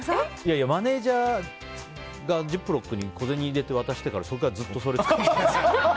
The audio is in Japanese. マネジャーがジップロックに小銭入れて渡してきてからそれからずっとそれ使ってて。